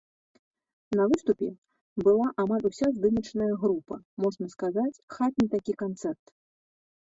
На выступе была амаль уся здымачная група, можна сказаць, хатні такі канцэрт.